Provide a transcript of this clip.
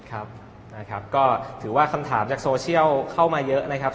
ครับนะครับก็ถือว่าคำถามจากโซเชียลเข้ามาเยอะนะครับ